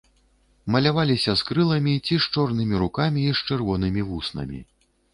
Маляваліся з крыламі ці з чорнымі рукамі і з чырвонымі вуснамі.